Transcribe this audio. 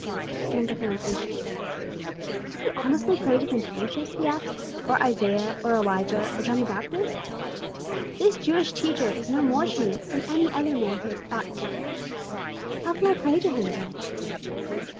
He turned to her impatiently. "Could you honestly pray to Confucius?" he asked; "or Isaiah, or Elijah, or John the Baptist? This Jewish teacher is no more to me than any other man who has taught and died. How can I pray to him, then?"